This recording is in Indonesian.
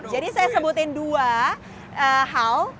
jadi saya sebutin dua hal